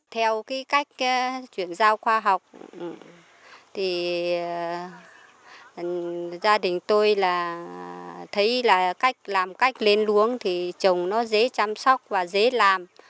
theo cách chuyển giao khoa học thì gia đình tôi thấy là làm cách lên luống thì trồng nó dễ chăm sóc và dễ làm